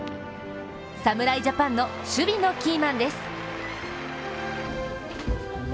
侍ジャパンの守備のキーマンです。